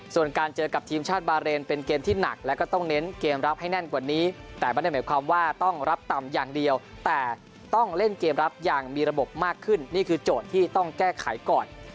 ส่วนการเจอกับทีมชาติบาเรนเป็นเกมที่หนักแล้วก็ต้องเน้นเกมรับให้แน่นกว่านี้แต่ไม่ได้หมายความว่าต้องรับต่ำอย่างเดียวแต่ต้องเล่นเกมรับอย่างมีระบบมากขึ้นนี่คือโจทย์ที่ต้องแก้ไขก่อน